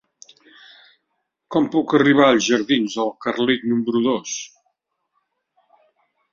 Com puc arribar als jardins del Carlit número dos?